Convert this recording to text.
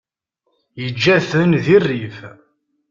Yeǧǧa-ten deg rrif.